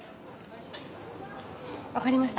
分かりました。